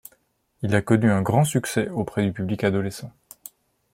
Il a connu un grand succès auprès du public adolescent.